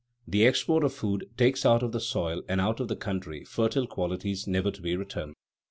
_ The export of food takes out of the soil and out of the country fertile qualities never to be returned.